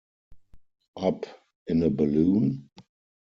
Up in a balloon?